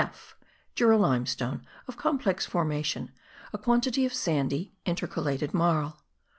(f) Jura limestone of complex formation; a quantity of sandy intercalated marl.